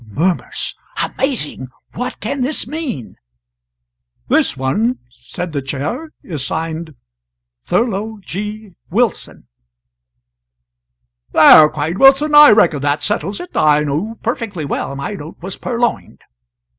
"' [Murmurs: "Amazing! what can this mean?"] This one," said the Chair, "is signed Thurlow G. Wilson." "There!" cried Wilson, "I reckon that settles it! I knew perfectly well my note was purloined."